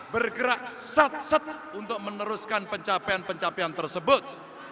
bergerak set set untuk meneruskan pencapaian pencapaian tersebut